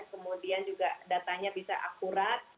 kemudian juga datanya bisa akurat